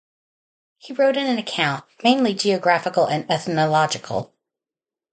He wrote an account, mainly geographical and ethnological.